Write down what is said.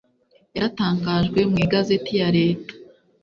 yaratangajwe mu Igazeti ya Leta